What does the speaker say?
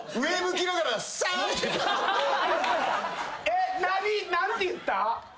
えっ何て言った？